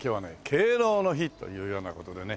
敬老の日というような事でね